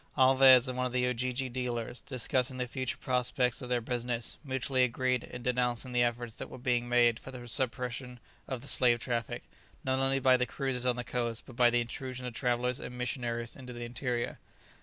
Alvez and one of the Ujiji dealers, discussing the future prospects of their business, mutually agreed in denouncing the efforts that were being made for the suppression of the slave traffic, not only by the cruisers on the coast, but by the intrusion of travellers and missionaries into the interior.